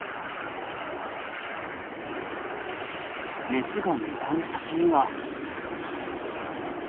メスが向かう先には。